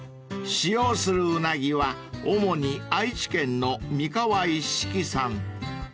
［使用するウナギは主に愛知県の三河一色産］